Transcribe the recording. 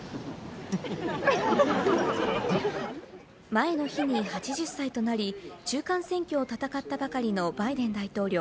前の日に８０歳となり中間選挙を戦ったばかりのバイデン大統領。